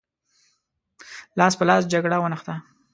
لاس په لاس جګړه ونښته.